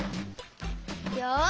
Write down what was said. よし！